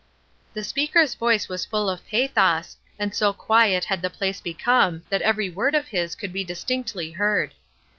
The speaker's voice was full of pathos, and so quiet had the place become that every word of his could be distinctly heard.